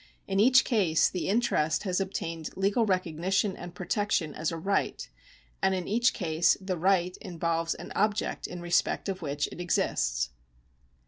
In each case the interest has obtained legal recognition and protection as a right, and in each case the right involves an object in respect of which it exists.